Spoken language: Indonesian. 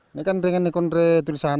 ini kan dengan rekomendasi tulisan